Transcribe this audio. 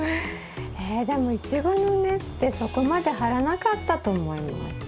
えでもイチゴの根ってそこまで張らなかったと思います。